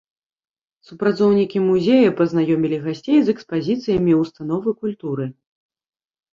Супрацоўнікі музея пазнаёмілі гасцей з экспазіцыямі ўстановы культуры.